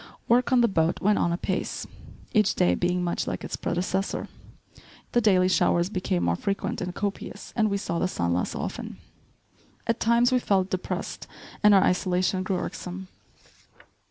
Work on the boat went on apace, each day being much like its predecessor. The daily showers became more frequent and copious and we saw the sun less often. At times we felt depressed and our isolation grew irksome.